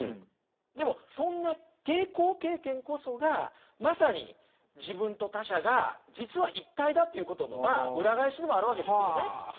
でもそんな抵抗経験こそがまさに自分と他者が実は一体だということの裏返しでもあるわけですよね。